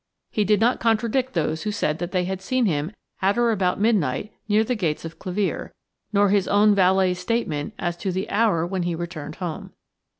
He did not contradict those who said that they had seen him at about midnight near the gates of Clevere, nor his own valet's statements as to the hour when he returned home.